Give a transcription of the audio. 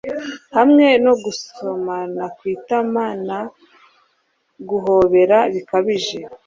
hamwe no gusomana ku itama na guhobera bikabije